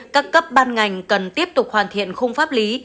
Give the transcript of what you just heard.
các cấp ban ngành cần tiếp tục hoàn thiện khung pháp lý